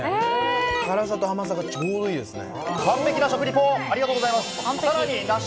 辛さと甘さがちょうどいいですね。